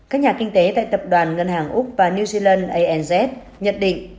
các nhà kinh tế tại tập đoàn ngân hàng úc và new zealand anz nhận định